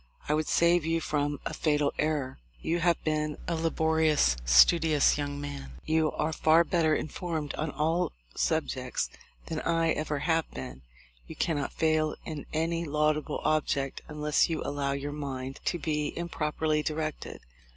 I would save you from a fatal error. You have been a laborious, studious young man. You are far better informed on almost all subjects than I ever have been. You cannot fail in any laudable object unless you allow your mind to be improperly directed.